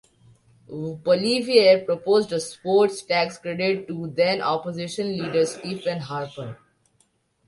Poilievre proposed a sports tax credit to then Opposition-leader Stephen Harper.